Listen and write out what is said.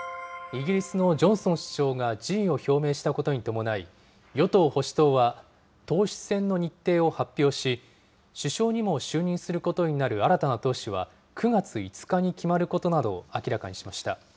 イギリスのジョンソン首相が辞意を表明したことに伴い、与党・保守党は党首選の日程を発表し、首相にも就任することになる新たな党首は９月５日に決まることなどを明らかにしました。